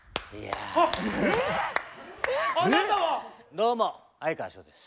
どうも哀川翔です。